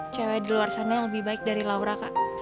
cewek di luar sana yang lebih baik dari laura kak